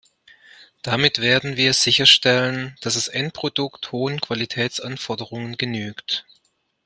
Damit werden wir sicherstellen, dass das Endprodukt hohen Qualitätsanforderungen genügt.